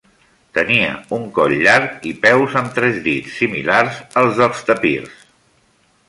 Tenia un coll llarg i peus amb tres dits, similars als dels tapirs.